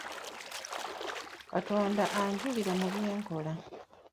Katonda anjulira mu bye nkola.